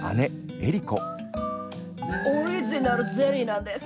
オリジナルゼリーなんです。